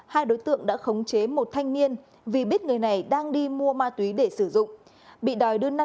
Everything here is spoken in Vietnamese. hai đối tượng đã khống chế một thanh niên vì biết người này đang đi mua ma túy để sử dụng bị đòi